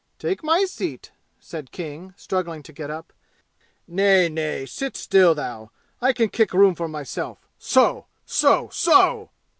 "Take my seat," said King, struggling to get up. "Nay, nay sit still, thou. I can kick room for myself. So! So! So!"